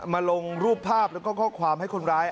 ลงรูปภาพแล้วก็ข้อความให้คนร้าย